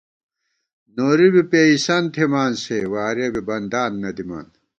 نوری بی پېئیسنت تھِمان سےوارِیَہ بی بندان نہ دِمان